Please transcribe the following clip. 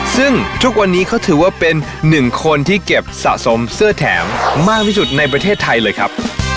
ซึ่งทุกวันนี้เขาถือว่าเป็นหนึ่งคนที่เก็บสะสมเสื้อแถมมากที่สุดในประเทศไทยเลยครับ